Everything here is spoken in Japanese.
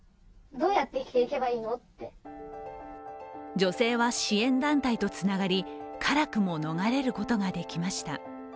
女性は支援団体とつながりからくも逃れることができました。